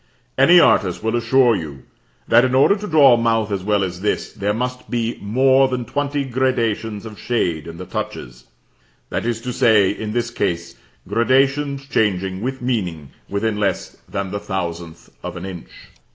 Any artist will assure you that in order to draw a mouth as well as this, there must be more than twenty gradations of shade in the touches; that is to say, in this case, gradations changing, with meaning, within less than the thousandth of an inch.